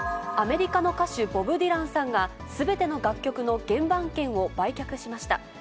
アメリカの歌手、ボブ・ディランさんが、すべての楽曲の原盤権を売却しました。